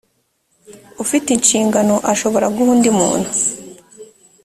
ufite inshingano ashobora guha undi muntu